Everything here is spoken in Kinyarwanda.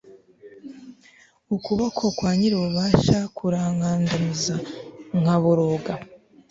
ukuboko kwa nyir'ububasha kurankandamiza, nkaboroga